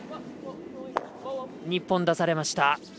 日本、出されました。